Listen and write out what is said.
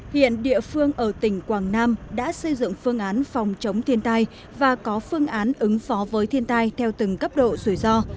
hiện địa phương ở tỉnh quảng nam đã xây dựng phương án phòng chống thiên tai và có phương án ứng phó với thiên tai theo từng cấp độ rủi ro